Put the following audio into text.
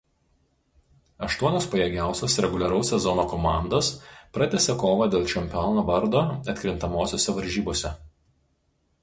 Aštuonios pajėgiausios reguliaraus sezono komandos pratęsė kovą dėl čempiono vardo atkrintamosiose varžybose.